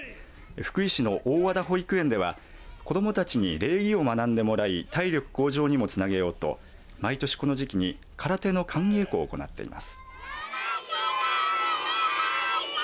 福井市の大和田保育園では子どもたちに礼儀を学んでもらい体力向上にもつなげようと毎年この時期に空手の寒稽古を行っています。